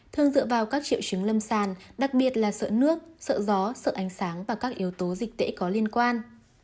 thường dựa vào các triệu chứng lâm sàng đặc biệt là sợ nước sợ gió sợ ánh sáng và các yếu tố dịch tễ có liên quan